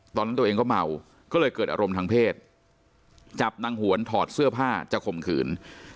ตอนนั้นตัวเองก็เมาก็เลยเกิดอารมณ์ทางเพศจับนางหวนถอดเสื้อผ้าจะข่มขืน